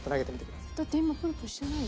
だって今プルプルしてないよ。